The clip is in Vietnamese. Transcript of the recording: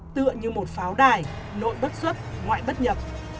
tựa như một pháo đài nội bất xuất ngoại bất nhập